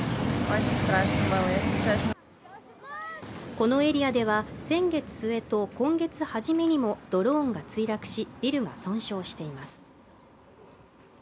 このエリアでは、先月末と今月はじめにもドローンが墜落し、ビルが損傷しています。